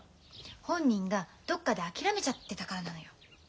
本人がどっかで諦めちゃってたからなのよ。